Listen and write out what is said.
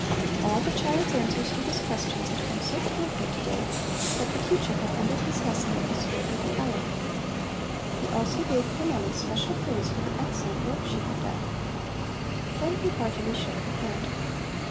All the child's answers to his questions had come so promptly to day that the teacher had ended his lesson on the stroke of the hour. He also gave Cornelli special praise for the excellent work she had done. Then he heartily shook her hand.